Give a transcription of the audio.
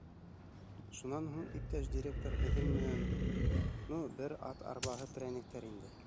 Шунан һуң, иптәш директор, һеҙҙең менән... ну бер ат арбаһы прәниктәр инде.